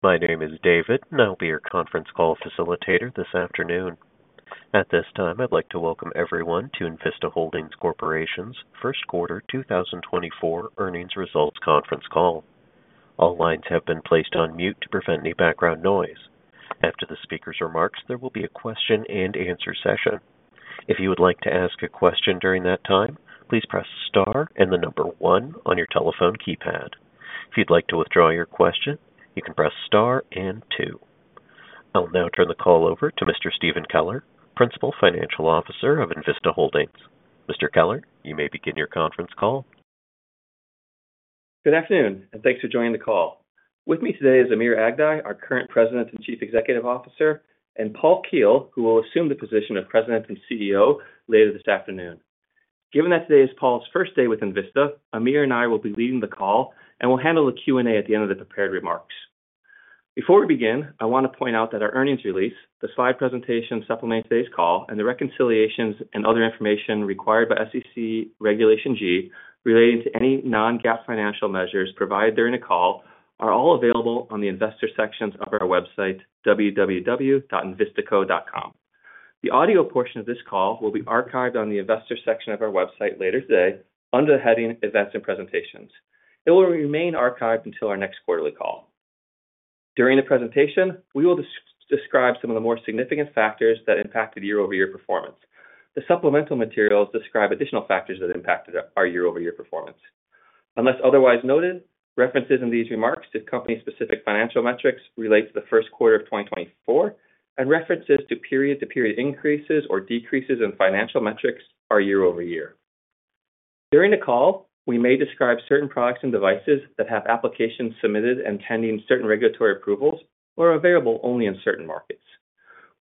My name is David, and I'll be your conference call facilitator this afternoon. At this time, I'd like to welcome everyone to Envista Holdings Corporation's first quarter 2024 earnings results conference call. All lines have been placed on mute to prevent any background noise. After the speaker's remarks, there will be a question-and-answer session. If you would like to ask a question during that time, please press Star and the number one on your telephone keypad. If you'd like to withdraw your question, you can press Star and two. I'll now turn the call over to Mr. Stephen Keller, Principal Financial Officer of Envista Holdings. Mr. Keller, you may begin your conference call. Good afternoon, and thanks for joining the call. With me today is Amir Aghdaei, our current President and Chief Executive Officer, and Paul Keel, who will assume the position of President and CEO later this afternoon. Given that today is Paul's first day with Envista, Amir and I will be leading the call and we'll handle the Q&A at the end of the prepared remarks. Before we begin, I want to point out that our earnings release, the slide presentation supplement today's call, and the reconciliations and other information required by SEC Regulation G relating to any non-GAAP financial measures provided during the call, are all available on the investor sections of our website, www.envistaco.com. The audio portion of this call will be archived on the investor section of our website later today under the heading Events and Presentations. It will remain archived until our next quarterly call. During the presentation, we will describe some of the more significant factors that impacted year-over-year performance. The supplemental materials describe additional factors that impacted our year-over-year performance. Unless otherwise noted, references in these remarks to company-specific financial metrics relate to the first quarter of 2024, and references to period-to-period increases or decreases in financial metrics are year-over-year. During the call, we may describe certain products and devices that have applications submitted and pending certain regulatory approvals or are available only in certain markets.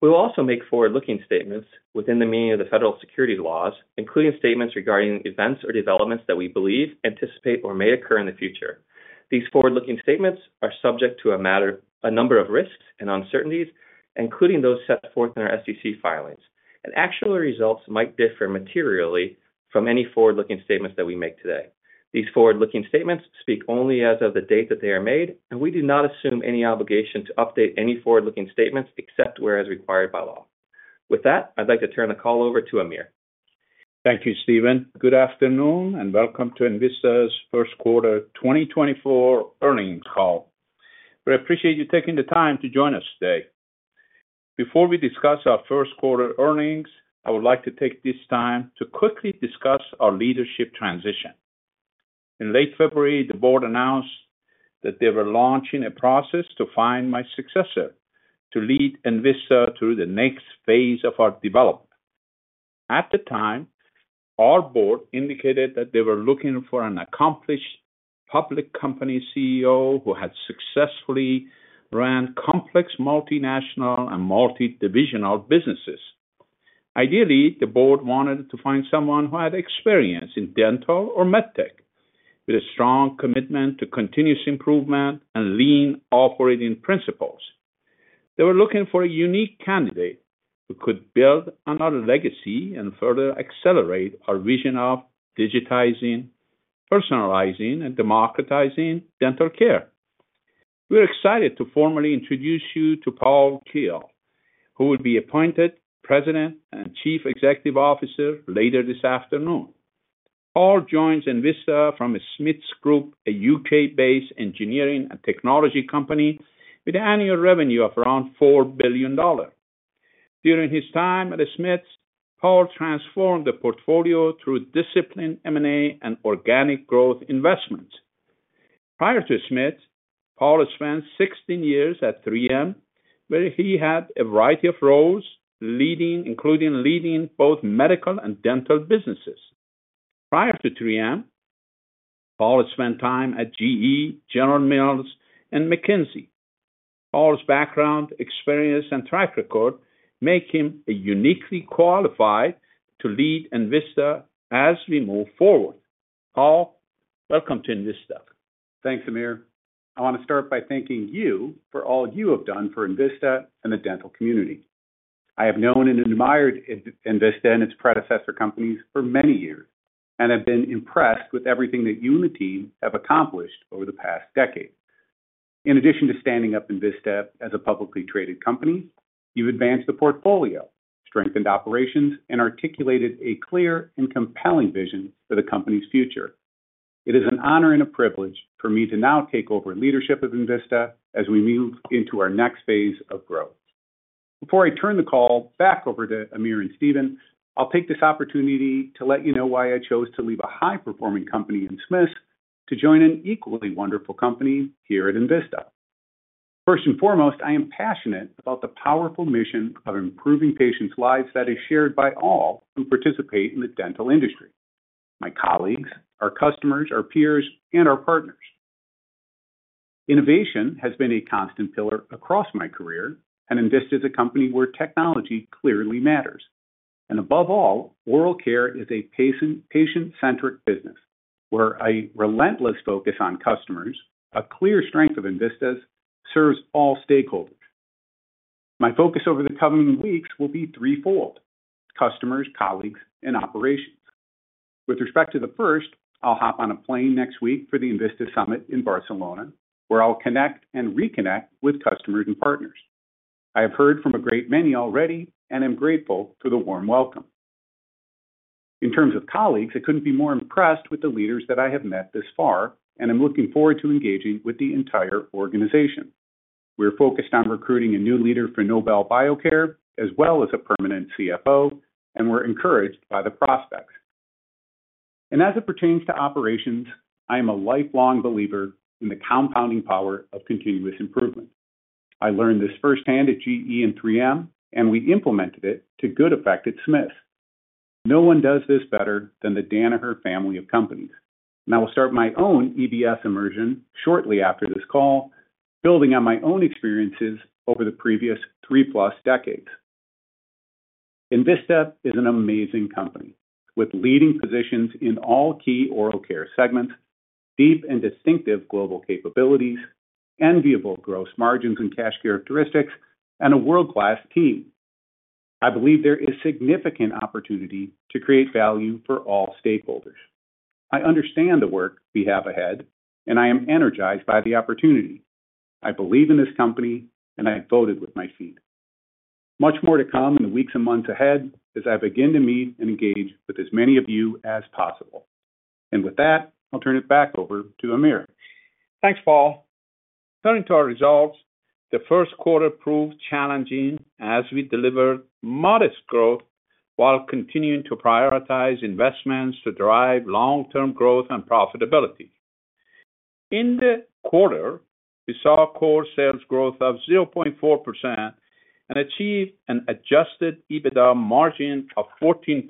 We will also make forward-looking statements within the meaning of the Federal securities laws, including statements regarding events or developments that we believe, anticipate, or may occur in the future. These forward-looking statements are subject to a number of risks and uncertainties, including those set forth in our SEC filings. Actual results might differ materially from any forward-looking statements that we make today. These forward-looking statements speak only as of the date that they are made, and we do not assume any obligation to update any forward-looking statements except as required by law. With that, I'd like to turn the call over to Amir. Thank you, Stephen. Good afternoon, and welcome to Envista's first quarter 2024 earnings call. We appreciate you taking the time to join us today. Before we discuss our first quarter earnings, I would like to take this time to quickly discuss our leadership transition. In late February, the board announced that they were launching a process to find my successor to lead Envista through the next phase of our development. At the time, our board indicated that they were looking for an accomplished public company CEO who had successfully ran complex, multinational, and multidivisional businesses. Ideally, the board wanted to find someone who had experience in dental or medtech, with a strong commitment to continuous improvement and lean operating principles. They were looking for a unique candidate who could build on our legacy and further accelerate our vision of digitizing, personalizing, and democratizing dental care. We are excited to formally introduce you to Paul Keel, who will be appointed President and Chief Executive Officer later this afternoon. Paul joins Envista from the Smiths Group, a U.K.-based engineering and technology company with annual revenue of around $4 billion. During his time at Smiths, Paul transformed the portfolio through disciplined M&A and organic growth investments. Prior to Smiths, Paul spent 16 years at 3M, where he had a variety of roles, including leading both medical and dental businesses. Prior to 3M, Paul spent time at GE, General Mills, and McKinsey. Paul's background, experience, and track record make him uniquely qualified to lead Envista as we move forward. Paul, welcome to Envista. Thanks, Amir. I want to start by thanking you for all you have done for Envista and the dental community. I have known and admired Envista and its predecessor companies for many years and have been impressed with everything that you and the team have accomplished over the past decade. In addition to standing up Envista as a publicly traded company, you've advanced the portfolio, strengthened operations, and articulated a clear and compelling vision for the company's future. It is an honor and a privilege for me to now take over leadership of Envista as we move into our next phase of growth. Before I turn the call back over to Amir and Stephen, I'll take this opportunity to let you know why I chose to leave a high-performing company in Smiths to join an equally wonderful company here at Envista. First and foremost, I am passionate about the powerful mission of improving patients' lives that is shared by all who participate in the dental industry, my colleagues, our customers, our peers, and our partners. Innovation has been a constant pillar across my career, and Envista is a company where technology clearly matters. Above all, oral care is a patient-centric business where a relentless focus on customers, a clear strength of Envista's, serves all stakeholders. My focus over the coming weeks will be threefold: customers, colleagues, and operations. With respect to the first, I'll hop on a plane next week for the Envista Summit in Barcelona, where I'll connect and reconnect with customers and partners. I have heard from a great many already, and I'm grateful for the warm welcome. In terms of colleagues, I couldn't be more impressed with the leaders that I have met thus far, and I'm looking forward to engaging with the entire organization. We're focused on recruiting a new leader for Nobel Biocare, as well as a permanent CFO, and we're encouraged by the prospects. And as it pertains to operations, I am a lifelong believer in the compounding power of continuous improvement. I learned this firsthand at GE and 3M, and we implemented it to good effect at Smiths. No one does this better than the Danaher family of companies. I will start my own EBS immersion shortly after this call, building on my own experiences over the previous 3+ decades. Envista is an amazing company, with leading positions in all key oral care segments, deep and distinctive global capabilities, enviable gross margins and cash characteristics, and a world-class team. I believe there is significant opportunity to create value for all stakeholders. I understand the work we have ahead, and I am energized by the opportunity. I believe in this company, and I voted with my feet. Much more to come in the weeks and months ahead as I begin to meet and engage with as many of you as possible. With that, I'll turn it back over to Amir. Thanks, Paul. Turning to our results, the first quarter proved challenging as we delivered modest growth while continuing to prioritize investments to drive long-term growth and profitability. In the quarter, we saw Core Sales Growth of 0.4% and achieved an Adjusted EBITDA margin of 14%.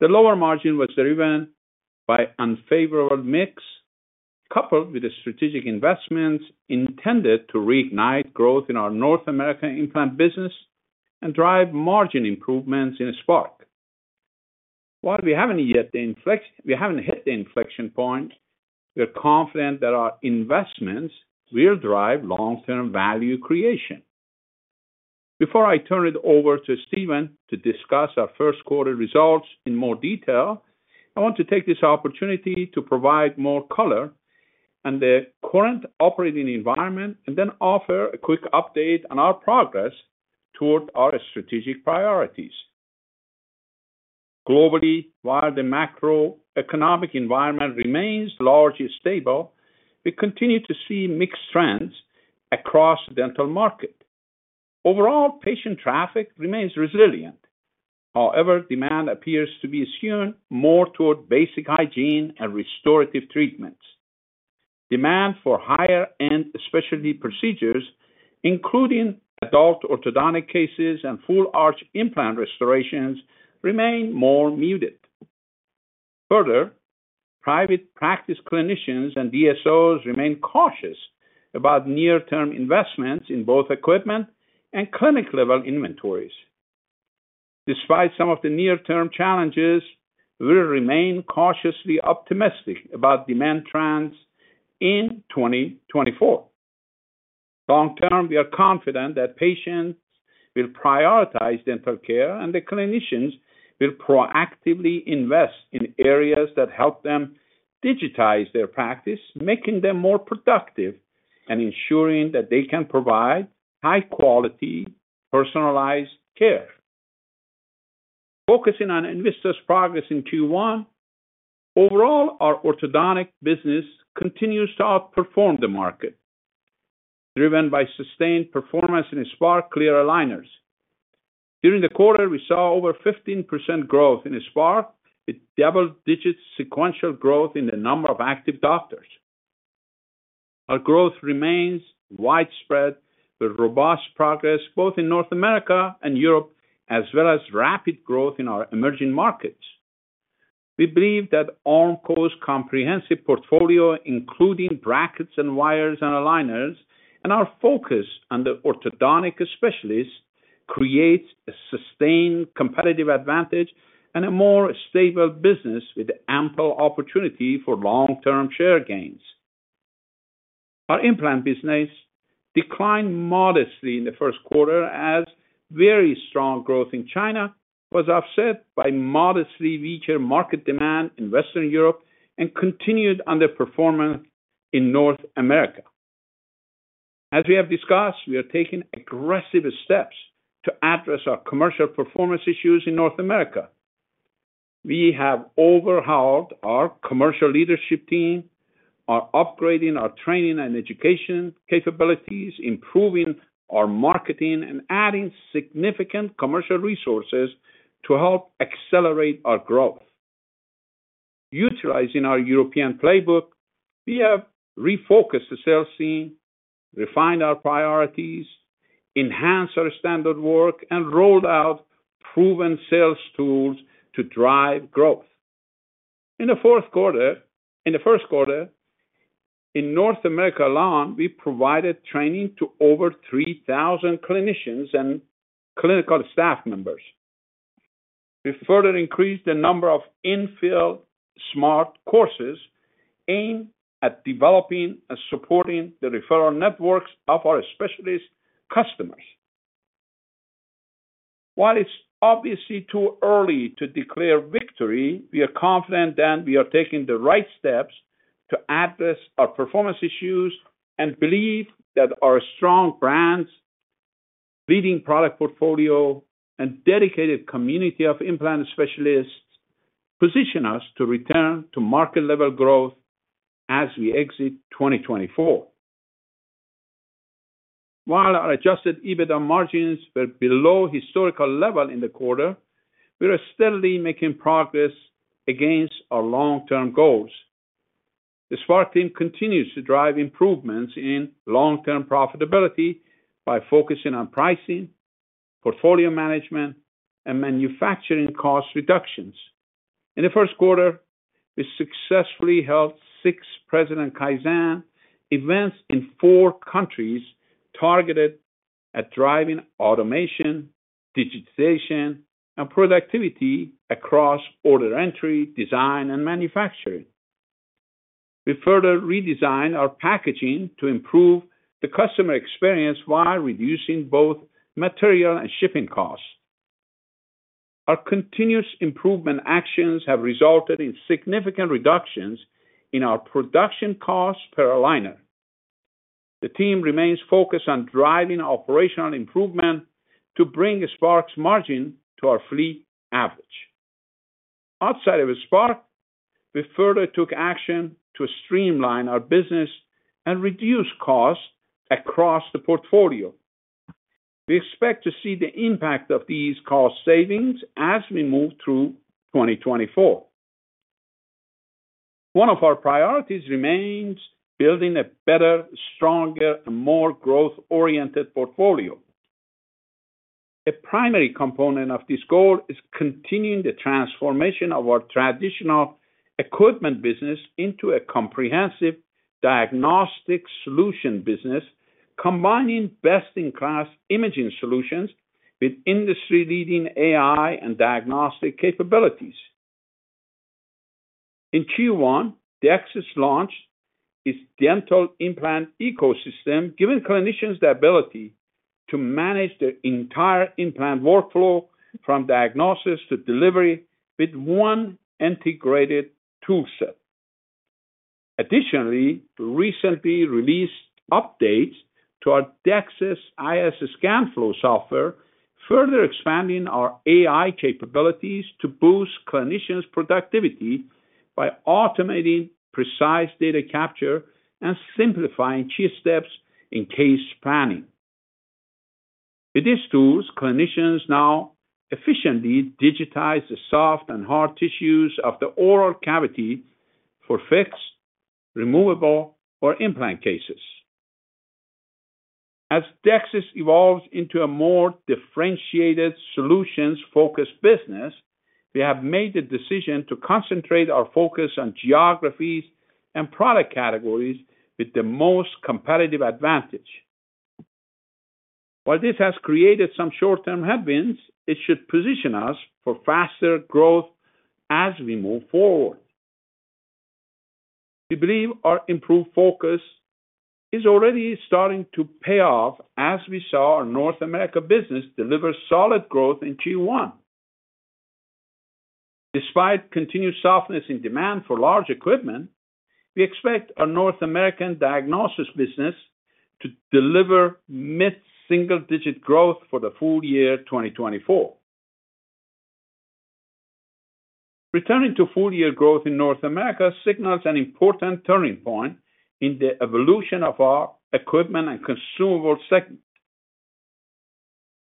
The lower margin was driven by unfavorable mix, coupled with the strategic investments intended to reignite growth in our North American implant business and drive margin improvements in Spark. While we haven't hit the inflection point, we're confident that our investments will drive long-term value creation. Before I turn it over to Stephen to discuss our first quarter results in more detail, I want to take this opportunity to provide more color on the current operating environment, and then offer a quick update on our progress toward our strategic priorities. Globally, while the macroeconomic environment remains largely stable, we continue to see mixed trends across the dental market. Overall, patient traffic remains resilient. However, demand appears to be skewed more toward basic hygiene and restorative treatments. Demand for higher-end specialty procedures, including adult orthodontic cases and full-arch implant restorations, remain more muted. Further, private practice clinicians and DSOs remain cautious about near-term investments in both equipment and clinic-level inventories. Despite some of the near-term challenges, we remain cautiously optimistic about demand trends in 2024. Long term, we are confident that patients will prioritize dental care, and the clinicians will proactively invest in areas that help them digitize their practice, making them more productive and ensuring that they can provide high-quality, personalized care. Focusing on Envista's progress in Q1, overall, our orthodontic business continues to outperform the market, driven by sustained performance in Spark Clear Aligners. During the quarter, we saw over 15% growth in Spark, with double-digit sequential growth in the number of active doctors. Our growth remains widespread, with robust progress both in North America and Europe, as well as rapid growth in our emerging markets. We believe that Ormco's comprehensive portfolio, including brackets and wires and aligners, and our focus on the orthodontic specialists, creates a sustained competitive advantage and a more stable business with ample opportunity for long-term share gains. Our implant business declined modestly in the first quarter, as very strong growth in China was offset by modestly weaker market demand in Western Europe and continued underperformance in North America. As we have discussed, we are taking aggressive steps to address our commercial performance issues in North America. We have overhauled our commercial leadership team, are upgrading our training and education capabilities, improving our marketing, and adding significant commercial resources to help accelerate our growth. Utilizing our European playbook, we have refocused the sales team, refined our priorities, enhanced our standard work, and rolled out proven sales tools to drive growth. In the first quarter, in North America alone, we provided training to over 3,000 clinicians and clinical staff members. We further increased the number of in-field smart courses aimed at developing and supporting the referral networks of our specialist customers. While it's obviously too early to declare victory, we are confident that we are taking the right steps to address our performance issues, and believe that our strong brands, leading product portfolio, and dedicated community of implant specialists position us to return to market level growth as we exit 2024. While our adjusted EBITDA margins were below historical level in the quarter, we are steadily making progress against our long-term goals. The Spark team continues to drive improvements in long-term profitability by focusing on pricing, portfolio management, and manufacturing cost reductions. In the first quarter, we successfully held six President Kaizen events in four countries, targeted at driving automation, digitization, and productivity across order entry, design, and manufacturing. We further redesigned our packaging to improve the customer experience while reducing both material and shipping costs. Our continuous improvement actions have resulted in significant reductions in our production costs per aligner. The team remains focused on driving operational improvement to bring Spark's margin to our fleet average. Outside of Spark, we further took action to streamline our business and reduce costs across the portfolio. We expect to see the impact of these cost savings as we move through 2024. One of our priorities remains building a better, stronger, and more growth-oriented portfolio. A primary component of this goal is continuing the transformation of our traditional equipment business into a comprehensive diagnostic solution business, combining best-in-class imaging solutions with industry-leading AI and diagnostic capabilities. In Q1, DEXIS launched its dental implant ecosystem, giving clinicians the ability to manage their entire implant workflow, from diagnosis to delivery, with one integrated tool set. Additionally, we recently released updates to our DEXIS IS ScanFlow software, further expanding our AI capabilities to boost clinicians' productivity by automating precise data capture and simplifying key steps in case planning. With these tools, clinicians now efficiently digitize the soft and hard tissues of the oral cavity for fixed, removable, or implant cases. As DEXIS evolves into a more differentiated, solutions-focused business, we have made the decision to concentrate our focus on geographies and product categories with the most competitive advantage. While this has created some short-term headwinds, it should position us for faster growth as we move forward. We believe our improved focus is already starting to pay off as we saw our North America business deliver solid growth in Q1. Despite continued softness in demand for large equipment, we expect our North American diagnosis business to deliver mid-single-digit growth for the full year 2024. Returning to full-year growth in North America signals an important turning point in the evolution of our equipment and consumable segment.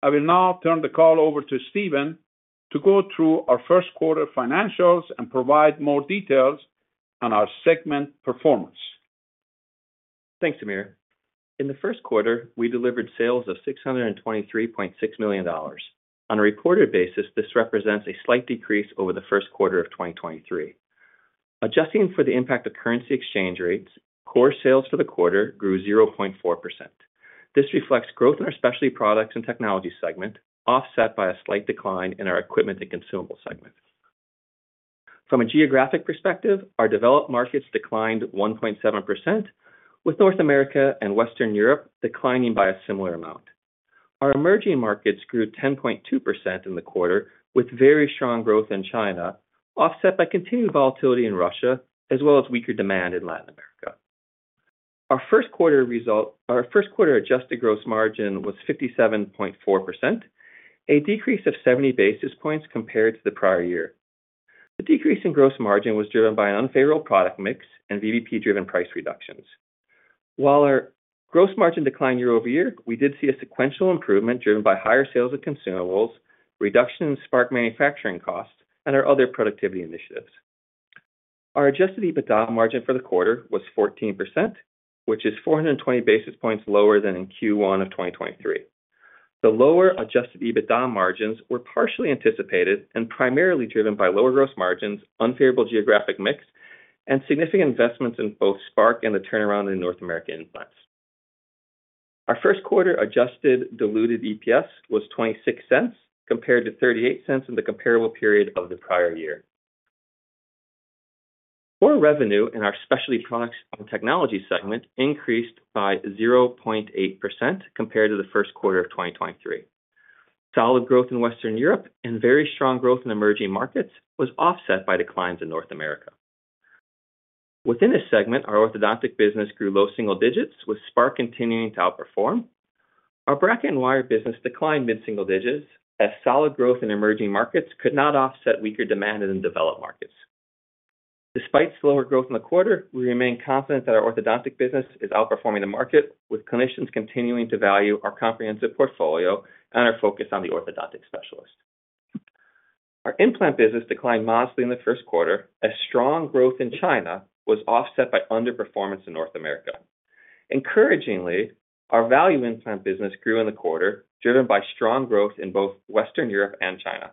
I will now turn the call over to Stephen to go through our first quarter financials and provide more details on our segment performance. Thanks, Amir. In the first quarter, we delivered sales of $623.6 million. On a reported basis, this represents a slight decrease over the first quarter of 2023. Adjusting for the impact of currency exchange rates, core sales for the quarter grew 0.4%. This reflects growth in our specialty products and technology segment, offset by a slight decline in our equipment and consumables segment. From a geographic perspective, our developed markets declined 1.7%, with North America and Western Europe declining by a similar amount. Our emerging markets grew 10.2% in the quarter, with very strong growth in China, offset by continued volatility in Russia, as well as weaker demand in Latin America. Our first quarter adjusted gross margin was 57.4%, a decrease of 70 basis points compared to the prior year. The decrease in gross margin was driven by an unfavorable product mix and VBP-driven price reductions. While our gross margin declined year-over-year, we did see a sequential improvement driven by higher sales of consumables, reduction in Spark manufacturing costs, and our other productivity initiatives. Our adjusted EBITDA margin for the quarter was 14%, which is 420 basis points lower than in Q1 of 2023. The lower adjusted EBITDA margins were partially anticipated and primarily driven by lower gross margins, unfavorable geographic mix, and significant investments in both Spark and the turnaround in North American implants. Our first quarter adjusted diluted EPS was $0.26, compared to $0.38 in the comparable period of the prior year. Core revenue in our specialty products and technology segment increased by 0.8% compared to the first quarter of 2023. Solid growth in Western Europe and very strong growth in emerging markets was offset by declines in North America. Within this segment, our orthodontic business grew low single digits, with Spark continuing to outperform. Our bracket and wire business declined mid-single digits, as solid growth in emerging markets could not offset weaker demand in developed markets. Despite slower growth in the quarter, we remain confident that our orthodontic business is outperforming the market, with clinicians continuing to value our comprehensive portfolio and our focus on the orthodontic specialist. Our implant business declined modestly in the first quarter, as strong growth in China was offset by underperformance in North America. Encouragingly, our value implant business grew in the quarter, driven by strong growth in both Western Europe and China.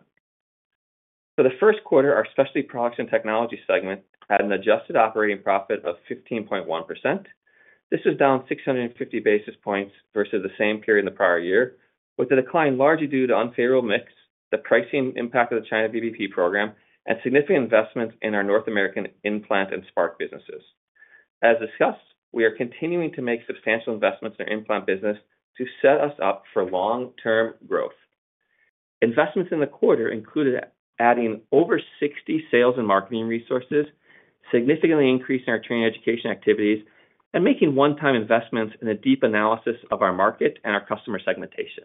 For the first quarter, our specialty products and technology segment had an adjusted operating profit of 15.1%. This was down 650 basis points versus the same period in the prior year, with the decline largely due to unfavorable mix, the pricing impact of the China VBP program, and significant investments in our North American implant and Spark businesses. As discussed, we are continuing to make substantial investments in our implant business to set us up for long-term growth. Investments in the quarter included adding over 60 sales and marketing resources, significantly increasing our training education activities, and making one-time investments in a deep analysis of our market and our customer segmentation.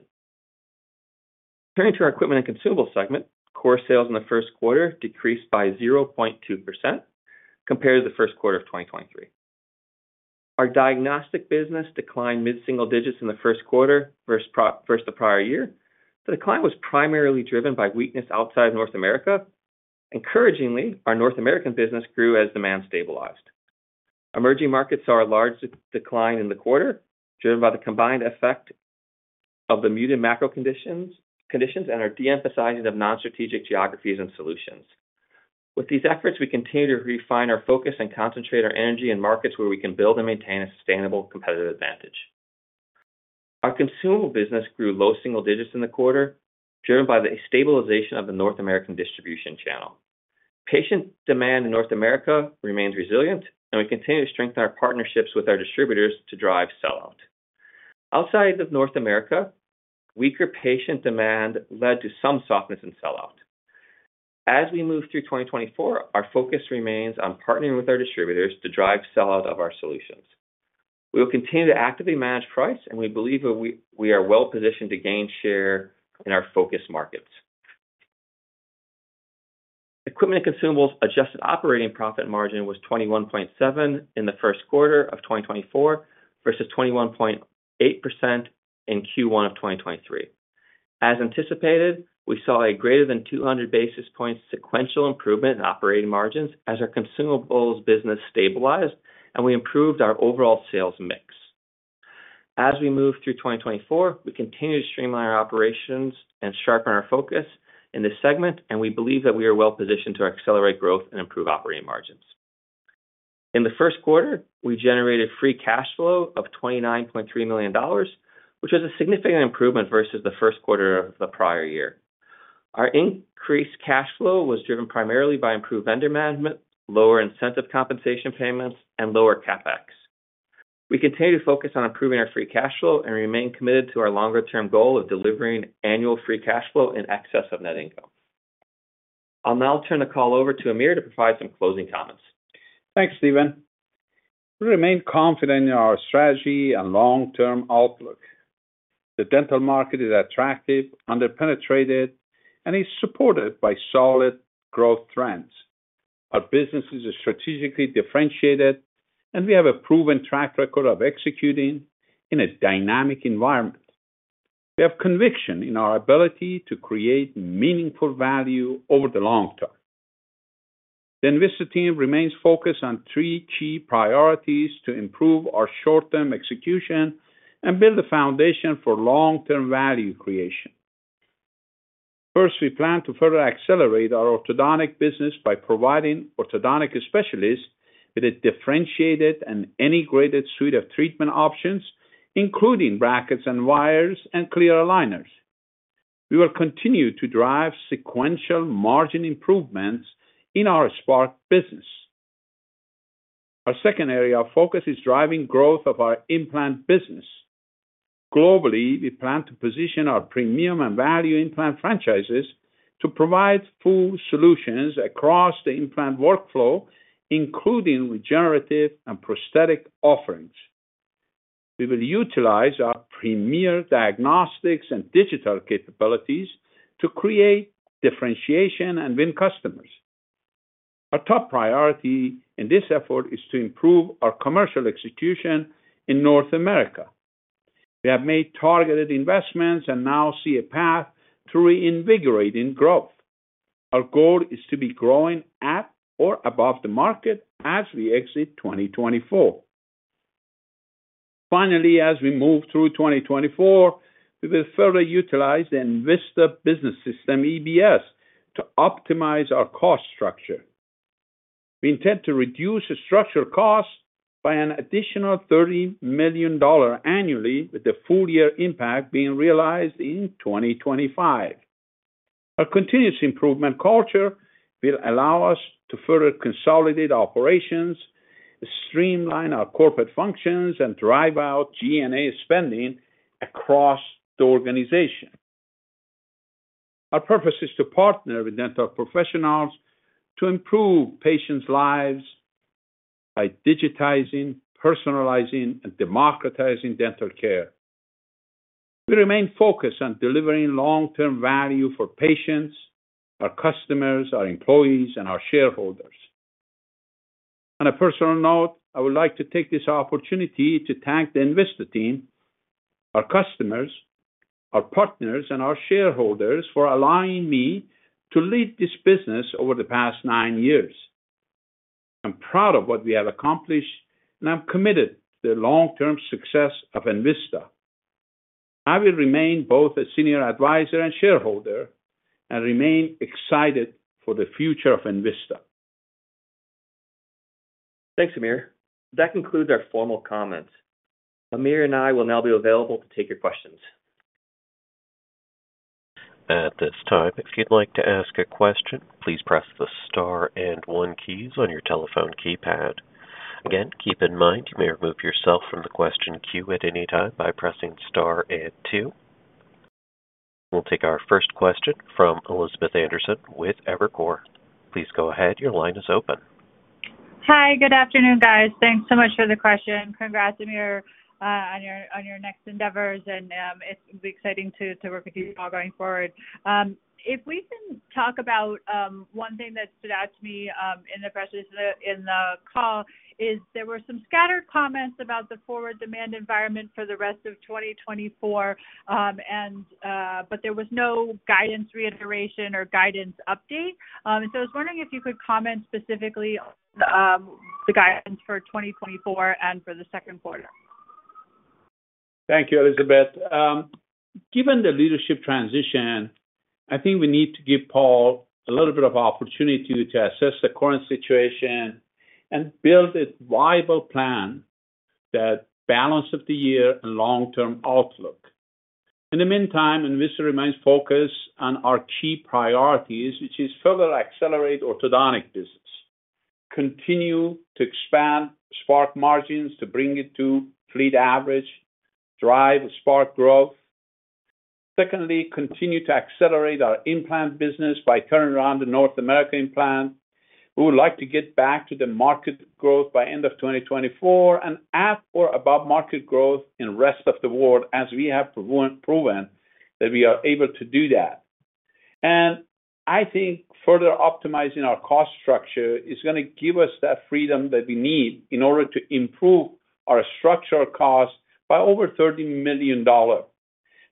Turning to our equipment and consumables segment, core sales in the first quarter decreased by 0.2% compared to the first quarter of 2023. Our diagnostic business declined mid-single digits in the first quarter versus the prior year. The decline was primarily driven by weakness outside North America. Encouragingly, our North American business grew as demand stabilized. Emerging markets saw a large decline in the quarter, driven by the combined effect of the muted macro conditions and our de-emphasizing of non-strategic geographies and solutions. With these efforts, we continue to refine our focus and concentrate our energy in markets where we can build and maintain a sustainable competitive advantage. Our consumable business grew low single digits in the quarter, driven by the stabilization of the North American distribution channel. Patient demand in North America remains resilient, and we continue to strengthen our partnerships with our distributors to drive sell-out. Outside of North America, weaker patient demand led to some softness in sell out. As we move through 2024, our focus remains on partnering with our distributors to drive sell out of our solutions. We will continue to actively manage price, and we believe that we are well positioned to gain share in our focus markets. Equipment and consumables adjusted operating profit margin was 21.7 in the first quarter of 2024, versus 21.8% in Q1 of 2023. As anticipated, we saw a greater than 200 basis points sequential improvement in operating margins as our consumables business stabilized and we improved our overall sales mix. As we move through 2024, we continue to streamline our operations and sharpen our focus in this segment, and we believe that we are well positioned to accelerate growth and improve operating margins. In the first quarter, we generated free cash flow of $29.3 million, which was a significant improvement versus the first quarter of the prior year. Our increased cash flow was driven primarily by improved vendor management, lower incentive compensation payments, and lower CapEx. We continue to focus on improving our free cash flow and remain committed to our longer-term goal of delivering annual free cash flow in excess of net income. I'll now turn the call over to Amir to provide some closing comments. Thanks, Stephen. We remain confident in our strategy and long-term outlook. The dental market is attractive, underpenetrated, and is supported by solid growth trends. Our businesses are strategically differentiated, and we have a proven track record of executing in a dynamic environment. We have conviction in our ability to create meaningful value over the long term. The Envista team remains focused on three key priorities to improve our short-term execution and build a foundation for long-term value creation. First, we plan to further accelerate our orthodontic business by providing orthodontic specialists with a differentiated and integrated suite of treatment options, including brackets and wires and clear aligners. We will continue to drive sequential margin improvements in our Spark business. Our second area of focus is driving growth of our implant business. Globally, we plan to position our premium and value implant franchises to provide full solutions across the implant workflow, including regenerative and prosthetic offerings. We will utilize our premier diagnostics and digital capabilities to create differentiation and win customers. Our top priority in this effort is to improve our commercial execution in North America. We have made targeted investments and now see a path to reinvigorating growth. Our goal is to be growing at or above the market as we exit 2024. Finally, as we move through 2024, we will further utilize the Envista Business System, EBS, to optimize our cost structure. We intend to reduce the structural costs by an additional $30 million annually, with the full year impact being realized in 2025. Our continuous improvement culture will allow us to further consolidate operations, streamline our corporate functions, and drive out G&A spending across the organization. Our purpose is to partner with dental professionals to improve patients' lives by digitizing, personalizing, and democratizing dental care. We remain focused on delivering long-term value for patients, our customers, our employees, and our shareholders. On a personal note, I would like to take this opportunity to thank the Envista team, our customers, our partners, and our shareholders for allowing me to lead this business over the past nine years. I'm proud of what we have accomplished, and I'm committed to the long-term success of Envista. I will remain both a senior advisor and shareholder and remain excited for the future of Envista. Thanks, Amir. That concludes our formal comments. Amir and I will now be available to take your questions. At this time, if you'd like to ask a question, please press the star and one keys on your telephone keypad. Again, keep in mind, you may remove yourself from the question queue at any time by pressing star and two. We'll take our first question from Elizabeth Anderson with Evercore. Please go ahead. Your line is open. Hi, good afternoon, guys. Thanks so much for the question. Congrats, Amir, on your next endeavors, and it's exciting to work with you all going forward. If we can talk about one thing that stood out to me in the call, there were some scattered comments about the forward demand environment for the rest of 2024, and... But there was no guidance reiteration or guidance update. And so I was wondering if you could comment specifically on the guidance for 2024 and for the second quarter. Thank you, Elizabeth. Given the leadership transition, I think we need to give Paul a little bit of opportunity to assess the current situation and build a viable plan, that balance of the year and long-term outlook. In the meantime, Envista remains focused on our key priorities, which is further accelerate orthodontic business, continue to expand Spark margins to bring it to fleet average, drive Spark growth. Secondly, continue to accelerate our implant business by turning around the North American implant. We would like to get back to the market growth by end of 2024, and at or above market growth in rest of the world, as we have proven that we are able to do that. And I think further optimizing our cost structure is gonna give us that freedom that we need in order to improve our structural cost by over $30 million.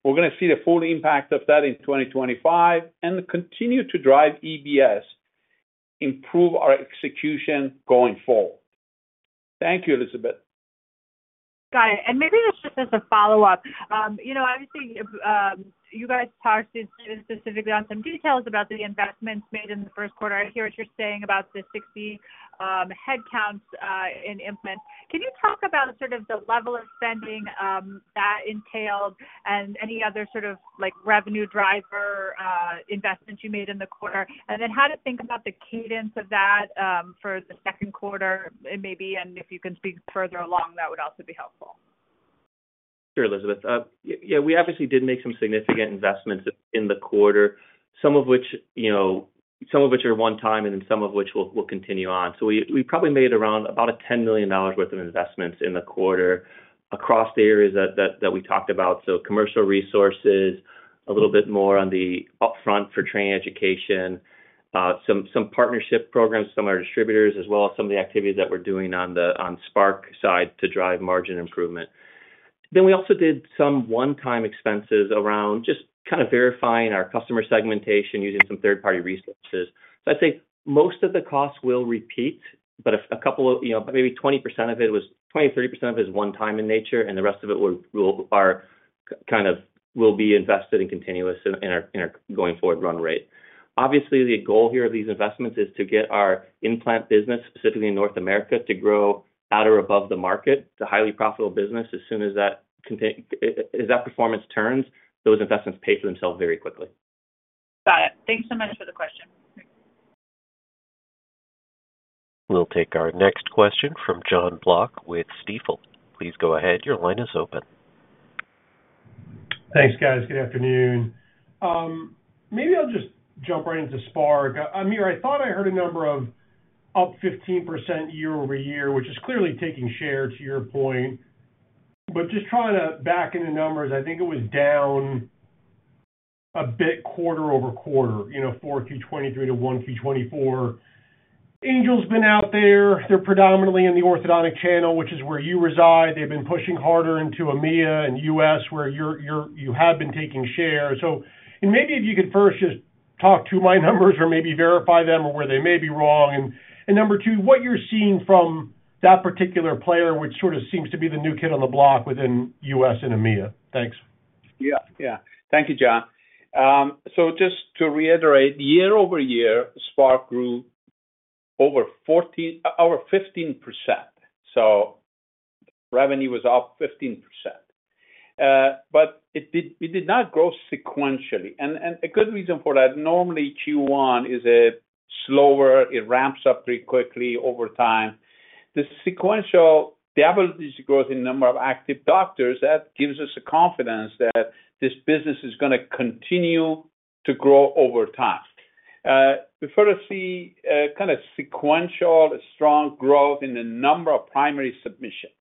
We're gonna see the full impact of that in 2025 and continue to drive EBS, improve our execution going forward. Thank you, Elizabeth. Got it, and maybe just as a follow-up, you know, obviously, you guys talked specifically on some details about the investments made in the first quarter. I hear what you're saying about the 60 headcounts in implant. Can you talk about sort of the level of spending that entailed and any other sort of, like, revenue driver investments you made in the quarter? And then how to think about the cadence of that for the second quarter, maybe, and if you can speak further along, that would also be helpful. Sure, Elizabeth. Yeah, we obviously did make some significant investments in the quarter, some of which, you know, some of which are one time and then some of which we'll continue on. So we probably made around about $10 million worth of investments in the quarter across the areas that we talked about. So commercial resources, a little bit more on the upfront for training education, some partnership programs, some of our distributors, as well as some of the activities that we're doing on the Spark side to drive margin improvement. Then we also did some one-time expenses around just kind of verifying our customer segmentation using some third-party resources. So I'd say most of the costs will repeat, but a couple of, you know, maybe 20%-30% of it is one time in nature, and the rest of it will kind of will be invested in continuous in our, in our going forward run rate. Obviously, the goal here of these investments is to get our implant business, specifically in North America, to grow at or above the market, the highly profitable business. As soon as that performance turns, those investments pay for themselves very quickly. Got it. Thanks so much for the question. We'll take our next question from Jon Block with Stifel. Please go ahead. Your line is open. Thanks, guys. Good afternoon. Maybe I'll just jump right into Spark. Amir, I thought I heard a number of up 15% year-over-year, which is clearly taking share, to your point. But just trying to back in the numbers, I think it was down a bit quarter-over-quarter, you know, 4Q 2023 to 1Q 2024. Angel's been out there. They're predominantly in the orthodontic channel, which is where you reside. They've been pushing harder into EMEA and U.S., where you're you have been taking share. And maybe if you could first just talk to my numbers or maybe verify them or where they may be wrong. And number two, what you're seeing from that particular player, which sort of seems to be the new kid on the block within U.S. and EMEA? Thanks. Yeah, yeah. Thank you, Jon. So just to reiterate, year-over-year, Spark grew over 14, over 15%. So revenue was up 15%. But it did, it did not grow sequentially. And a good reason for that, normally Q1 is a slower, it ramps up pretty quickly over time. The sequential double-digit growth in number of active doctors, that gives us the confidence that this business is gonna continue to grow over time. We further see, kinda sequential strong growth in the number of primary submissions.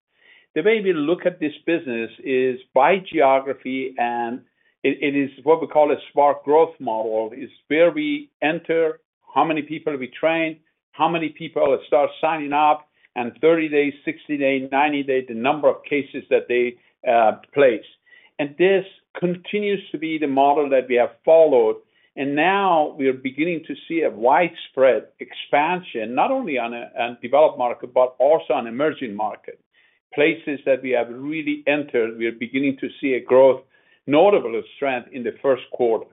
The way we look at this business is by geography, and it is what we call a Spark growth model. It's where we enter, how many people we train, how many people start signing up, and 30 days, 60 days, 90 days, the number of cases that they place. This continues to be the model that we have followed, and now we are beginning to see a widespread expansion, not only on developed market, but also on emerging market. Places that we have really entered, we are beginning to see a growth, notable of strength in the first quarter.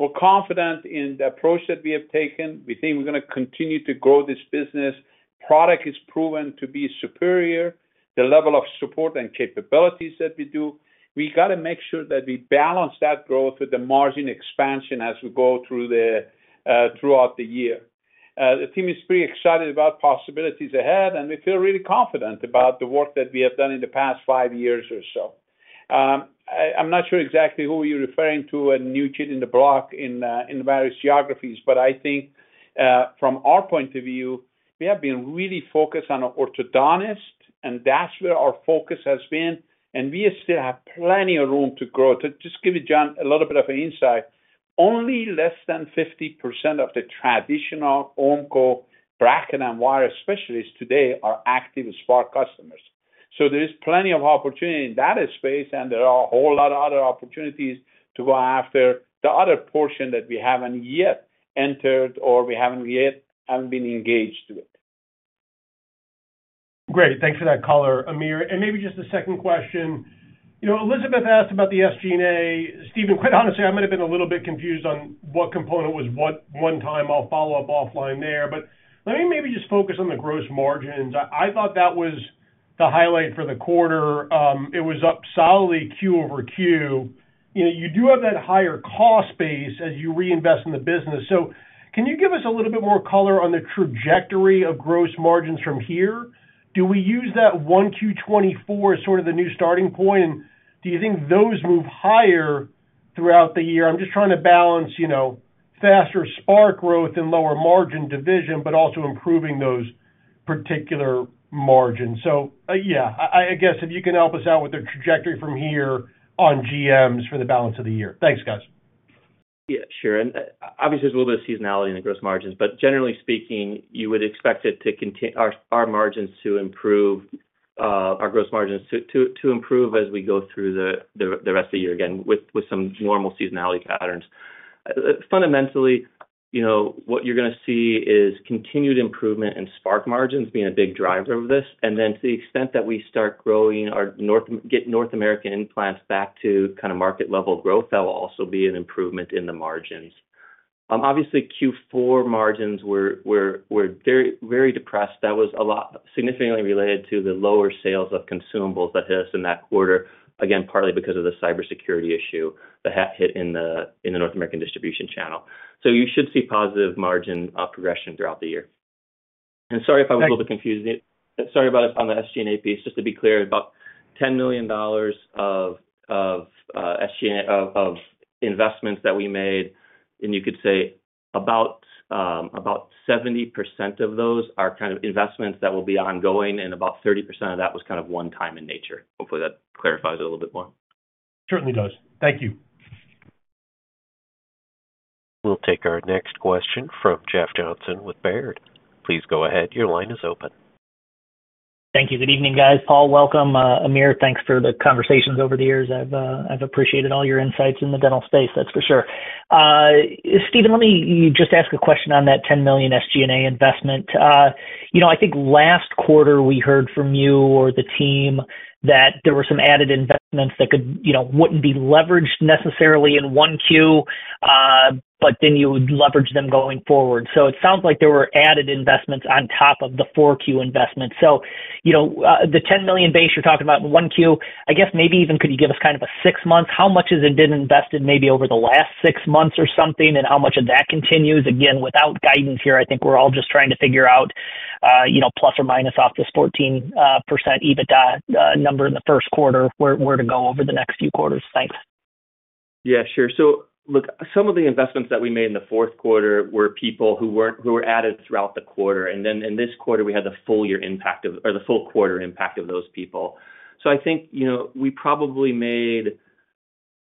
We're confident in the approach that we have taken. We think we're gonna continue to grow this business. Product is proven to be superior, the level of support and capabilities that we do. We gotta make sure that we balance that growth with the margin expansion as we go through the throughout the year. The team is pretty excited about possibilities ahead, and we feel really confident about the work that we have done in the past five years or so. I'm not sure exactly who you're referring to a new kid on the block in various geographies, but I think from our point of view, we have been really focused on orthodontist, and that's where our focus has been, and we still have plenty of room to grow. To just give you, Jon, a little bit of an insight, only less than 50% of the traditional Ormco bracket and wire specialists today are active Spark customers. So there is plenty of opportunity in that space, and there are a whole lot of other opportunities to go after the other portion that we haven't yet entered or we haven't yet been engaged with. Great. Thanks for that color, Amir. And maybe just a second question. You know, Elizabeth asked about the SG&A. Stephen, quite honestly, I might have been a little bit confused on what component was what, one time I'll follow up offline there. But let me maybe just focus on the gross margins. I thought that was the highlight for the quarter. It was up solidly quarter-over-quarter. You know, you do have that higher cost base as you reinvest in the business. So can you give us a little bit more color on the trajectory of gross margins from here? Do we use that Q1 2024 as sort of the new starting point? And do you think those move higher throughout the year? I'm just trying to balance, you know, faster Spark growth and lower margin division, but also improving those particular margins. Yeah, I guess if you can help us out with the trajectory from here on GMs for the balance of the year. Thanks, guys. Yeah, sure. And obviously, there's a little bit of seasonality in the gross margins, but generally speaking, you would expect our margins to improve, our gross margins to improve as we go through the rest of the year again, with some normal seasonality patterns. Fundamentally, you know, what you're gonna see is continued improvement in Spark margins being a big driver of this. And then to the extent that we start growing our North American implants back to kind of market level growth, that will also be an improvement in the margins. Obviously, Q4 margins were very, very depressed. That was a lot significantly related to the lower sales of consumables that hit us in that quarter, again, partly because of the cybersecurity issue that had hit in the North American distribution channel. So you should see positive margin progression throughout the year. And sorry if I was a little bit confused. Sorry about the SG&A piece, just to be clear, about $10 million of SG&A investments that we made, and you could say about 70% of those are kind of investments that will be ongoing, and about 30% of that was kind of one-time in nature. Hopefully, that clarifies it a little bit more. Certainly does. Thank you. We'll take our next question from Jeff Johnson with Baird. Please go ahead. Your line is open. Thank you. Good evening, guys. Paul, welcome. Amir, thanks for the conversations over the years. I've appreciated all your insights in the dental space, that's for sure. Stephen, let me just ask a question on that $10 million SG&A investment. You know, I think last quarter, we heard from you or the team that there were some added investments that could, you know, wouldn't be leveraged necessarily in 1Q, but then you would leverage them going forward. So it sounds like there were added investments on top of the 4Q investments. So, you know, the $10 million base you're talking about in 1Q, I guess maybe even could you give us kind of a six months? How much has it been invested maybe over the last six months or something, and how much of that continues? Again, without guidance here, I think we're all just trying to figure out, you know, ±14% EBITDA number in the first quarter, where to go over the next few quarters. Thanks. Yeah, sure. So look, some of the investments that we made in the fourth quarter were people who were added throughout the quarter, and then in this quarter, we had the full year impact of, or the full quarter impact of those people. So I think, you know, we probably made,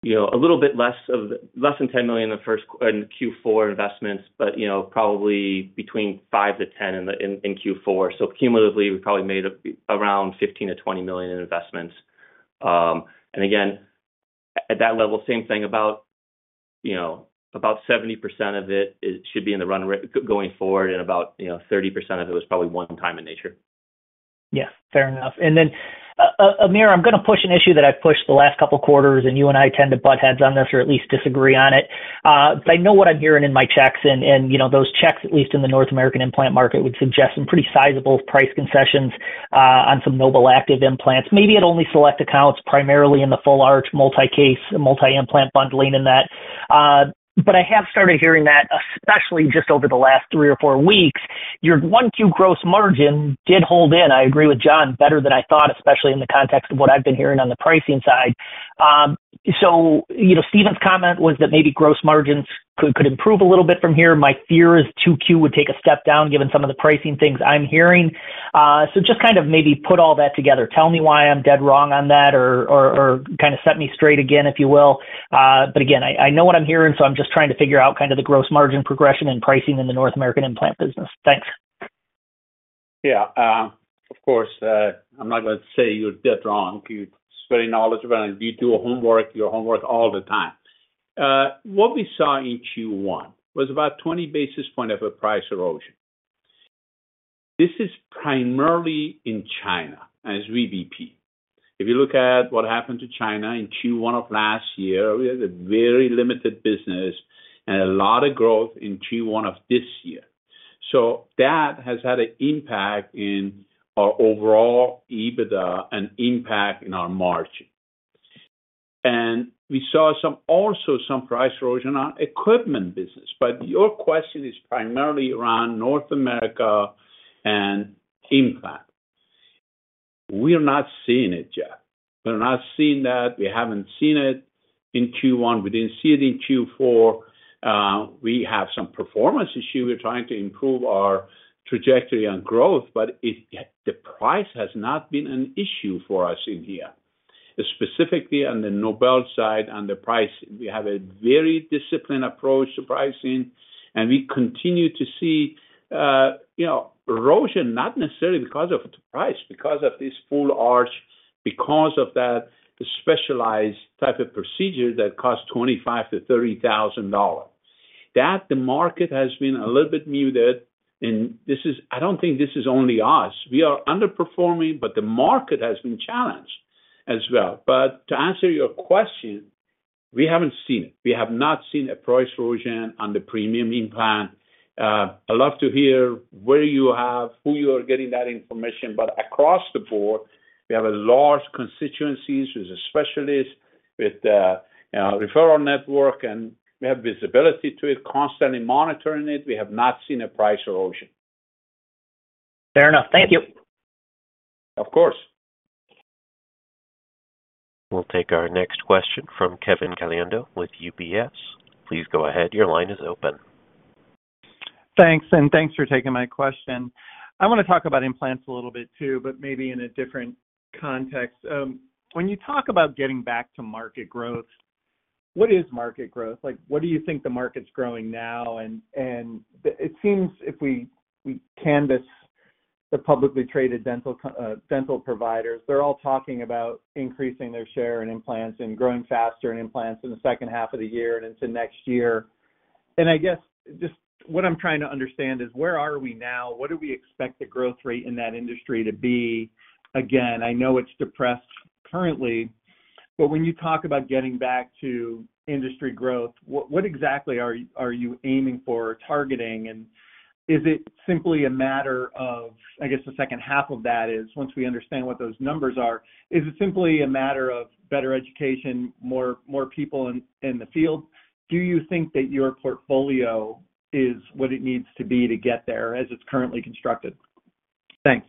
you know, a little bit less than $10 million in Q4 investments, but, you know, probably between $5-$10 million in Q4. So cumulatively, we probably made around $15-$20 million in investments. And again, at that level, same thing about, you know, about 70% of it, it should be in the run rate going forward, and about, you know, 30% of it was probably one time in nature. Yeah, fair enough. And then, Amir, I'm gonna push an issue that I've pushed the last couple quarters, and you and I tend to butt heads on this, or at least disagree on it. But I know what I'm hearing in my checks, and, you know, those checks, at least in the North American implant market, would suggest some pretty sizable price concessions on some NobelActive implants. Maybe at only select accounts, primarily in the full-arch multi-case, multi-implant bundling in that. But I have started hearing that, especially just over the last 3 or 4 weeks, your 1-2 gross margin did hold in, I agree with Jon, better than I thought, especially in the context of what I've been hearing on the pricing side. So, you know, Stephen's comment was that maybe gross margins could improve a little bit from here. My fear is 2Q would take a step down, given some of the pricing things I'm hearing. So just kind of maybe put all that together. Tell me why I'm dead wrong on that or kind of set me straight again, if you will. But again, I know what I'm hearing, so I'm just trying to figure out kind of the gross margin progression and pricing in the North American implant business. Thanks. Yeah, of course, I'm not going to say you're dead wrong. You're very knowledgeable, and you do your homework, your homework all the time. What we saw in Q1 was about 20 basis points of a price erosion. This is primarily in China, as we VBP. If you look at what happened to China in Q1 of last year, we had a very limited business and a lot of growth in Q1 of this year. So that has had an impact in our overall EBITDA, an impact in our margin. And we saw some, also some price erosion on equipment business. But your question is primarily around North America and implant. We're not seeing it yet. We're not seeing that. We haven't seen it in Q1. We didn't see it in Q4. We have some performance issue. We're trying to improve our trajectory on growth, but yet the price has not been an issue for us in here. Specifically on the Nobel side, on the pricing, we have a very disciplined approach to pricing, and we continue to see, you know, erosion, not necessarily because of the price, because of this full arch, because of that specialized type of procedure that costs $25,000-$30,000. That the market has been a little bit muted, and this is. I don't think this is only us. We are underperforming, but the market has been challenged as well. But to answer your question, we haven't seen it. We have not seen a price erosion on the premium implant. I'd love to hear where you have who you are getting that information, but across the board, we have a large constituencies with the specialists, with a referral network, and we have visibility to it, constantly monitoring it. We have not seen a price erosion. Fair enough. Thank you. Of course. We'll take our next question from Kevin Caliendo with UBS. Please go ahead. Your line is open. Thanks, and thanks for taking my question. I want to talk about implants a little bit, too, but maybe in a different context. When you talk about getting back to market growth, what is market growth? Like, what do you think the market's growing now? And it seems if we canvass the publicly traded dental providers, they're all talking about increasing their share in implants and growing faster in implants in the second half of the year and into next year. And I guess, just what I'm trying to understand is where are we now? What do we expect the growth rate in that industry to be? Again, I know it's depressed currently, but when you talk about getting back to industry growth, what exactly are you aiming for or targeting? And is it simply a matter of... I guess, the second half of that is, once we understand what those numbers are, is it simply a matter of better education, more people in the field? Do you think that your portfolio is what it needs to be to get there as it's currently constructed? Thanks.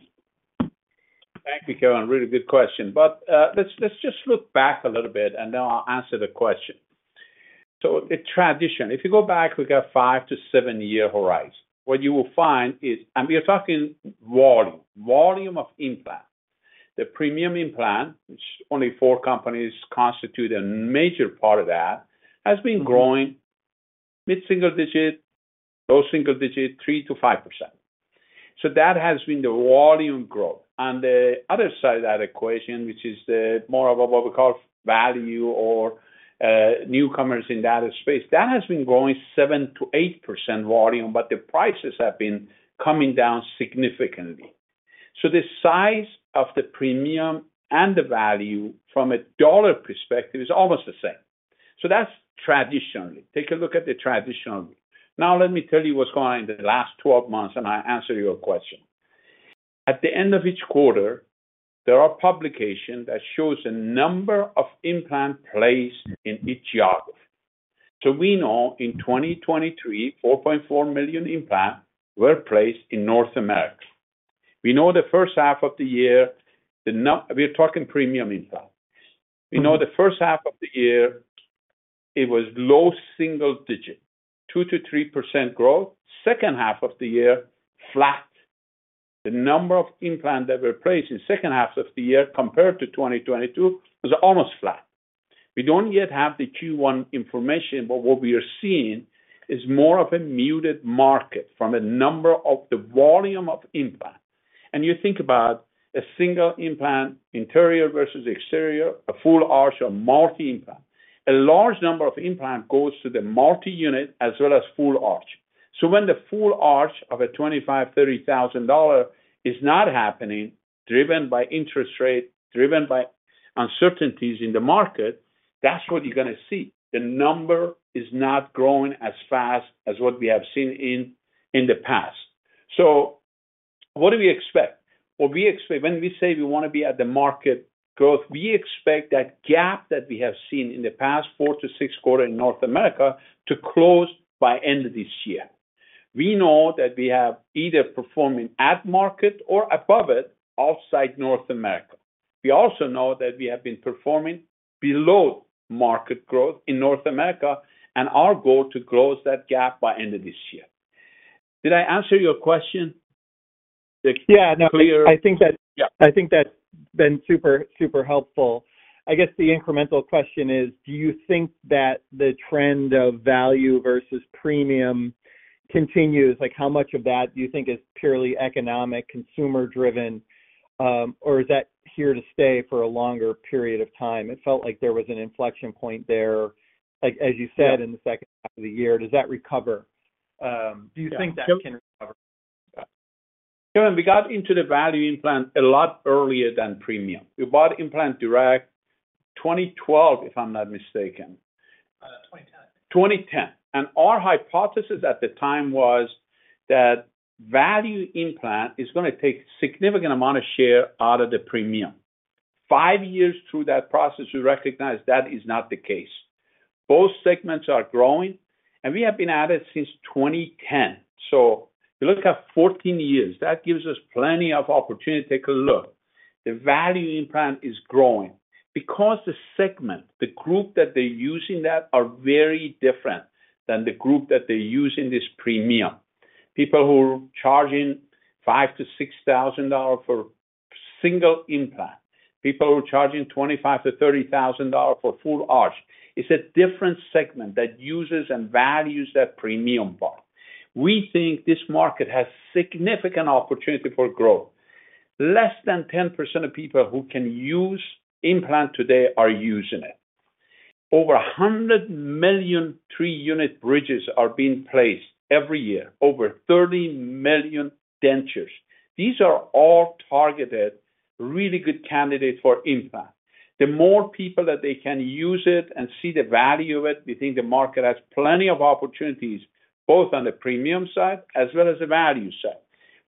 Thank you, Kevin. Really good question. But, let's just look back a little bit, and then I'll answer the question. So the traditional, if you go back, we got 5- to 7-year horizon. What you will find is, and we are talking volume, volume of implant. The premium implant, which only four companies constitute a major part of that, has been growing mid-single digit, low single digit, 3%-5%. So that has been the volume growth. On the other side of that equation, which is the more of what we call value or newcomers in that space, that has been growing 7%-8% volume, but the prices have been coming down significantly. So the size of the premium and the value from a dollar perspective is almost the same. So that's traditionally. Take a look at the traditionally. Now, let me tell you what's going on in the last 12 months, and I answer your question. At the end of each quarter, there are publications that shows the number of implant placed in each geography. So we know in 2023, 4.4 million implants were placed in North America. We know the first half of the year, we're talking premium implants. We know the first half of the year, it was low single digit, 2%-3% growth. Second half of the year, flat. The number of implants that were placed in second half of the year compared to 2022 was almost flat. We don't yet have the Q1 information, but what we are seeing is more of a muted market from a number of the volume of implants. You think about a single implant, interior versus exterior, a full arch or multi-impact.... A large number of implant goes to the multi-unit as well as full arch. So when the full arch of a $25-$30 thousand dollar is not happening, driven by interest rate, driven by uncertainties in the market, that's what you're gonna see. The number is not growing as fast as what we have seen in the past. So what do we expect? What we expect, when we say we wanna be at the market growth, we expect that gap that we have seen in the past 4-6 quarter in North America to close by end of this year. We know that we have either performing at market or above it outside North America. We also know that we have been performing below market growth in North America, and our goal to close that gap by end of this year. Did I answer your question, Kevin? Yeah, no, I think that- Yeah. I think that's been super, super helpful. I guess the incremental question is, do you think that the trend of value versus premium continues? Like, how much of that do you think is purely economic, consumer-driven, or is that here to stay for a longer period of time? It felt like there was an inflection point there, like as you said, in the second half of the year, does that recover? Do you think that can recover? Kevin, we got into the value implant a lot earlier than premium. We bought Implant Direct 2012, if I'm not mistaken. 2010. 2010. Our hypothesis at the time was that value implant is gonna take significant amount of share out of the premium. Five years through that process, we recognized that is not the case. Both segments are growing, and we have been at it since 2010. You look at 14 years, that gives us plenty of opportunity to take a look. The value implant is growing because the segment, the group that they're using that, are very different than the group that they use in this premium. People who are charging $5,000-$6,000 for single implant, people who are charging $25,000-$30,000 for full arch, it's a different segment that uses and values that premium part. We think this market has significant opportunity for growth. Less than 10% of people who can use implant today are using it. Over 100 million 3-unit bridges are being placed every year, over 30 million dentures. These are all targeted, really good candidates for implant. The more people that they can use it and see the value of it, we think the market has plenty of opportunities, both on the premium side as well as the value side.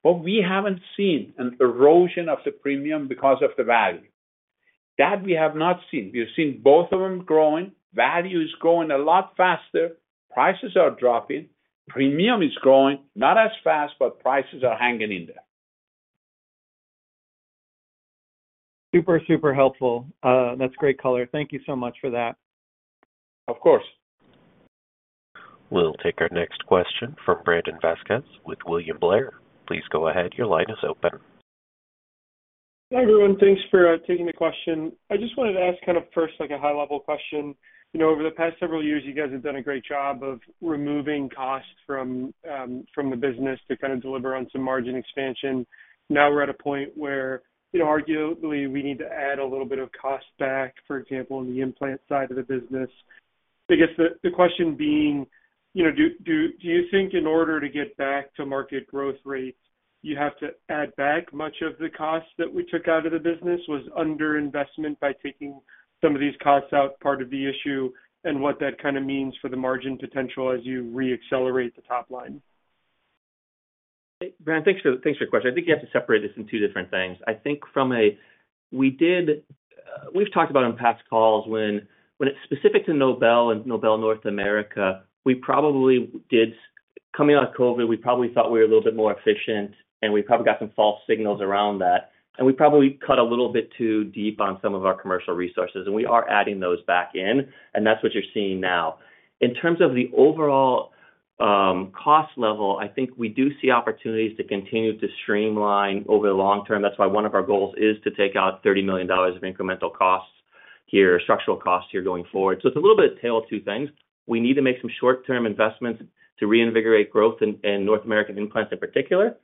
But we haven't seen an erosion of the premium because of the value. That we have not seen. We have seen both of them growing. Value is growing a lot faster, prices are dropping, premium is growing, not as fast, but prices are hanging in there. Super, super helpful. That's great color. Thank you so much for that. Of course. We'll take our next question from Brandon Vazquez with William Blair. Please go ahead. Your line is open. Hi, everyone. Thanks for taking the question. I just wanted to ask kind of first, like a high-level question. You know, over the past several years, you guys have done a great job of removing costs from the business to kind of deliver on some margin expansion. Now, we're at a point where, you know, arguably we need to add a little bit of cost back, for example, in the implant side of the business. I guess the question being, you know, do you think in order to get back to market growth rates, you have to add back much of the costs that we took out of the business? Was under investment by taking some of these costs out, part of the issue, and what that kind of means for the margin potential as you re-accelerate the top line? Brandon, thanks for, thanks for your question. I think you have to separate this in two different things. I think from a... We've talked about on past calls when, when it's specific to Nobel and Nobel North America, we probably did, coming out of COVID, we probably thought we were a little bit more efficient, and we probably got some false signals around that, and we probably cut a little bit too deep on some of our commercial resources, and we are adding those back in, and that's what you're seeing now. In terms of the overall, cost level, I think we do see opportunities to continue to streamline over the long term. That's why one of our goals is to take out $30 million of incremental costs here, structural costs here, going forward. So it's a little bit of tale of two things. We need to make some short-term investments to reinvigorate growth in North American implants in particular.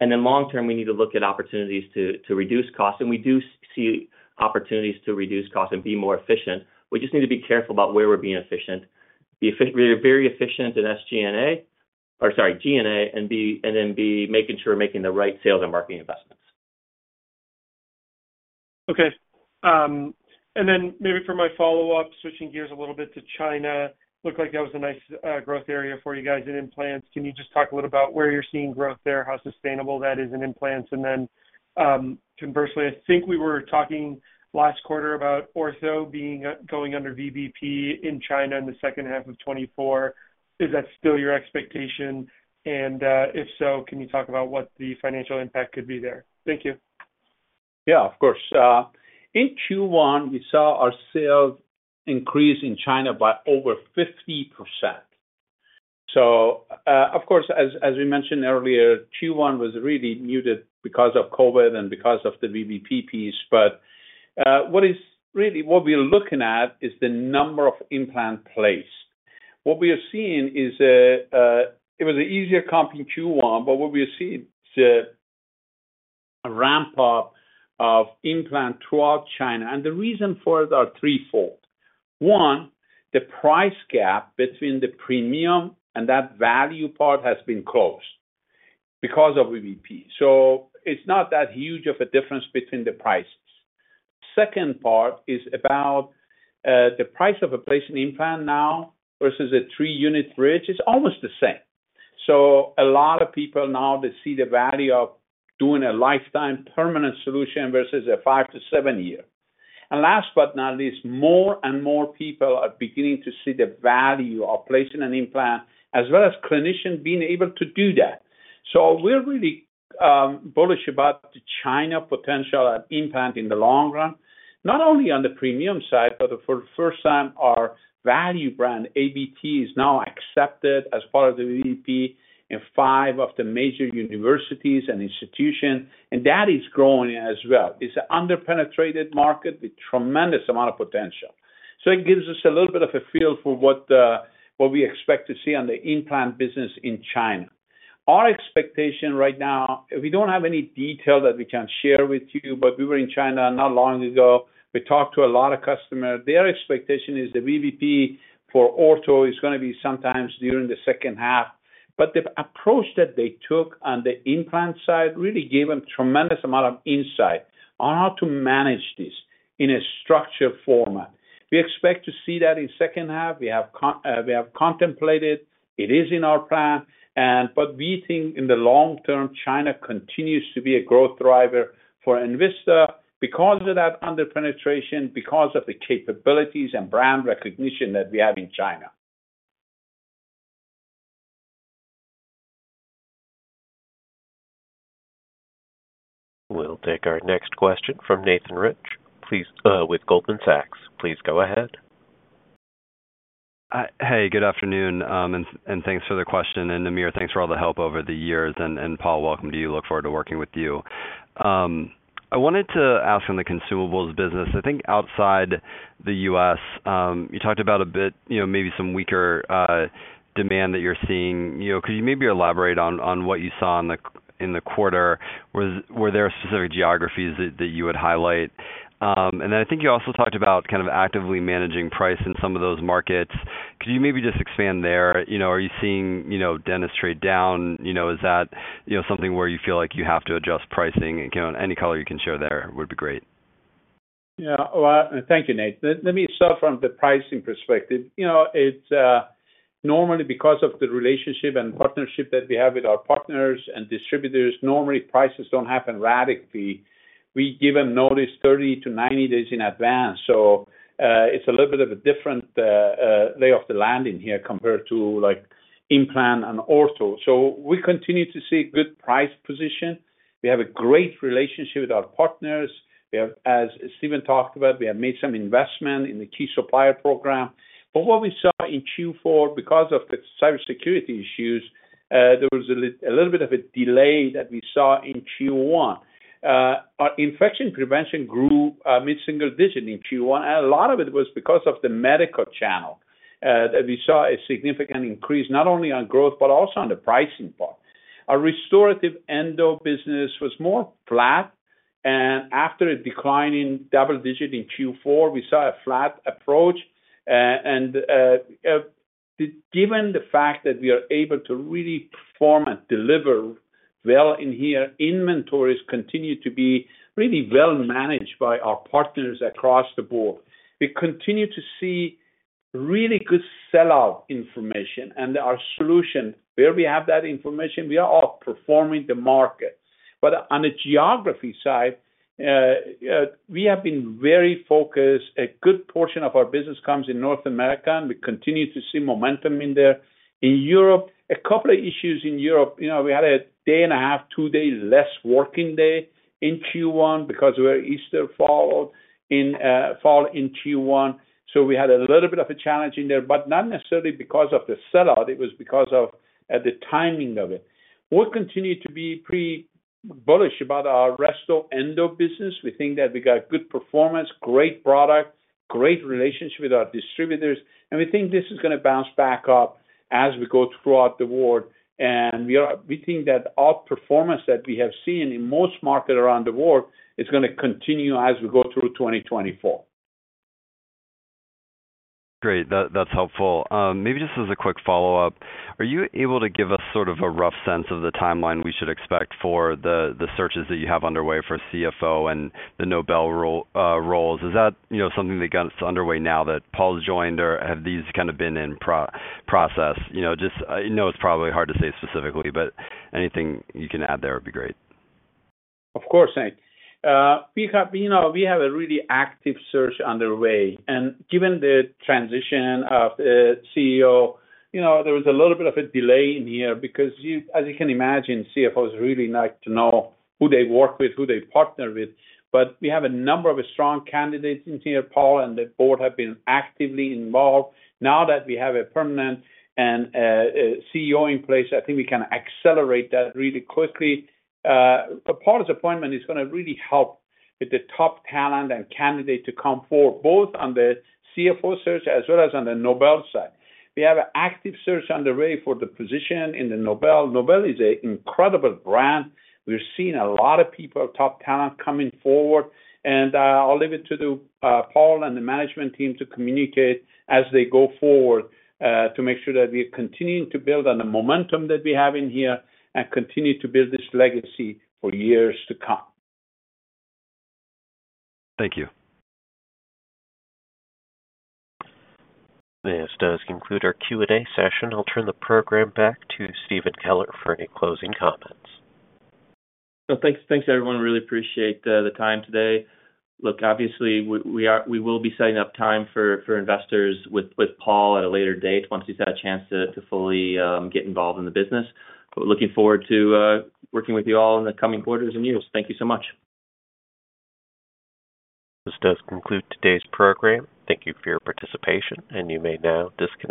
And then long term, we need to look at opportunities to reduce costs, and we do see opportunities to reduce costs and be more efficient. We just need to be careful about where we're being efficient. We're very efficient in SG&A, or sorry, G&A, and then be making sure we're making the right sales and marketing investments. Okay, and then maybe for my follow-up, switching gears a little bit to China. Looked like that was a nice growth area for you guys in implants. Can you just talk a little about where you're seeing growth there, how sustainable that is in implants? And then, conversely, I think we were talking last quarter about ortho being going under VBP in China in the second half of 2024. Is that still your expectation? And, if so, can you talk about what the financial impact could be there? Thank you. Yeah, of course. In Q1, we saw our sales increase in China by over 50%. So, of course, as we mentioned earlier, Q1 was really muted because of COVID and because of the VBP piece, but really, what we're looking at is the number of implant placed. What we are seeing is it was an easier comp in Q1, but what we are seeing is a ramp up of implant throughout China, and the reason for it are threefold. One, the price gap between the premium and that value part has been closed because of VBP, so it's not that huge of a difference between the prices. Second part is about the price of a patient implant now versus a three-unit bridge is almost the same. So a lot of people now, they see the value of doing a lifetime permanent solution versus a 5- to 7-year. And last but not least, more and more people are beginning to see the value of placing an implant, as well as clinicians being able to do that. So we're really bullish about the China potential at implant in the long run, not only on the premium side, but for the first time, our value brand, ABT, is now accepted as part of the VBP in 5 of the major universities and institutions, and that is growing as well. It's an under-penetrated market with tremendous amount of potential. So it gives us a little bit of a feel for what we expect to see on the implant business in China. Our expectation right now, we don't have any detail that we can share with you, but we were in China not long ago. We talked to a lot of customers. Their expectation is the VBP for ortho is gonna be sometime during the second half. But the approach that they took on the implant side really gave them tremendous amount of insight on how to manage this in a structured format. We expect to see that in second half. We have contemplated, it is in our plan, and but we think in the long term, China continues to be a growth driver for Envista because of that under-penetration, because of the capabilities and brand recognition that we have in China. We'll take our next question from Nate Rich. Please, with Goldman Sachs, please go ahead. Hey, good afternoon, and thanks for the question, and Amir, thanks for all the help over the years, and Paul, welcome to you. Look forward to working with you. I wanted to ask on the consumables business, I think outside the U.S., you talked about a bit, you know, maybe some weaker demand that you're seeing. You know, could you maybe elaborate on what you saw in the quarter? Were there specific geographies that you would highlight? And then I think you also talked about kind of actively managing price in some of those markets. Could you maybe just expand there? You know, are you seeing, you know, dentists trade down? You know, is that, you know, something where you feel like you have to adjust pricing? Again, any color you can share there would be great. Yeah. Well, thank you, Nate. Let me start from the pricing perspective. You know, it's normally because of the relationship and partnership that we have with our partners and distributors, normally prices don't happen radically. We give them notice 30-90 days in advance, so it's a little bit of a different lay of the land in here compared to, like, implant and ortho. So we continue to see good price position. We have a great relationship with our partners. We have, as Stephen talked about, we have made some investment in the key supplier program. But what we saw in Q4, because of the cybersecurity issues, there was a little bit of a delay that we saw in Q1. Our infection prevention grew mid-single digit in Q1, and a lot of it was because of the medical channel that we saw a significant increase, not only on growth, but also on the pricing part. Our restorative endo business was more flat, and after a decline in double digit in Q4, we saw a flat approach. Given the fact that we are able to really perform and deliver well in here, inventories continue to be really well managed by our partners across the board. We continue to see really good sellout information, and our solution, where we have that information, we are outperforming the market. But on the geography side, we have been very focused. A good portion of our business comes in North America, and we continue to see momentum in there. In Europe, a couple of issues in Europe. You know, we had a day and a half, two days less working day in Q1 because where Easter fall in, fall in Q1, so we had a little bit of a challenge in there, but not necessarily because of the sellout, it was because of the timing of it. We'll continue to be pretty bullish about our resto endo business. We think that we got good performance, great product, great relationship with our distributors, and we think this is gonna bounce back up as we go throughout the world. We think that our performance that we have seen in most markets around the world is gonna continue as we go through 2024. Great, that, that's helpful. Maybe just as a quick follow-up, are you able to give us sort of a rough sense of the timeline we should expect for the searches that you have underway for the CFO and the Nobel roles? Is that, you know, something that got underway now that Paul's joined, or have these kind of been in process? You know, just, I know it's probably hard to say specifically, but anything you can add there would be great. Of course, Nate. We have, you know, we have a really active search underway, and given the transition of the CEO, you know, there was a little bit of a delay in here because you, as you can imagine, CFOs really like to know who they work with, who they partner with. But we have a number of strong candidates in here. Paul and the board have been actively involved. Now that we have a permanent CEO in place, I think we can accelerate that really quickly. But Paul's appointment is gonna really help with the top talent and candidates to come forward, both on the CFO search as well as on the Nobel side. We have an active search underway for the position in the Nobel. Nobel is an incredible brand. We're seeing a lot of people, top talent, coming forward, and I'll leave it to the Paul and the management team to communicate as they go forward, to make sure that we're continuing to build on the momentum that we have in here and continue to build this legacy for years to come. Thank you. This does conclude our Q&A session. I'll turn the program back to Stephen Keller for any closing comments. So thanks, thanks, everyone. Really appreciate the time today. Look, obviously, we will be setting up time for investors with Paul at a later date once he's had a chance to fully get involved in the business. But looking forward to working with you all in the coming quarters and years. Thank you so much. This does conclude today's program. Thank you for your participation, and you may now disconnect.